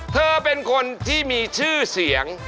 เธอเป็นคนที่มีชื่อเสียง